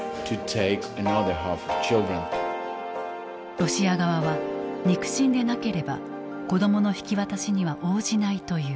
ロシア側は肉親でなければ子どもの引き渡しには応じないという。